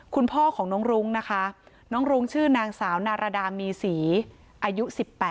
คุณพ่อของนมรุ้งนะคะนี่ชื่อนางสาวนารดามีสีอายุ๑๘